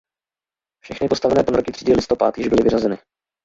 Všechny postavené ponorky třídy "Listopad" již byly vyřazeny.